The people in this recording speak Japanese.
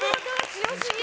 強すぎ！